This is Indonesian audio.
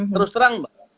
terus terang mbak